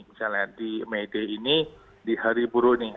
misalnya di mei d ini di hari buru ini